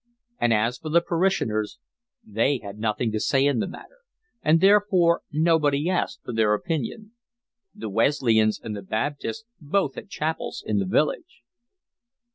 And as for the parishioners they had nothing to say in the matter, and therefore nobody asked for their opinion. The Wesleyans and the Baptists both had chapels in the village.